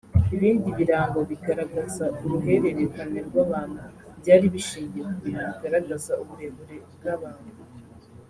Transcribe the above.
Ibindi birango bigaragaza uruhererekane rw’abantu byari bishingiye ku bintu bigaragaza uburebure bw’abantu